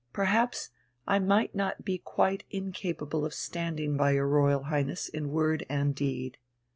perhaps I might not be quite incapable of standing by your Royal Highness in word and deed."